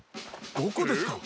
どこですか？